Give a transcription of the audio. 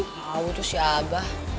tahu tuh si abah